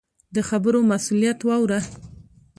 د خبرو مسؤلیت واوره.